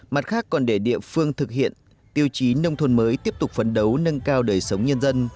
mặt khác còn để địa phương thực hiện tiêu chí nông thôn mới tiếp tục phấn đấu nâng cao đời sống nhân dân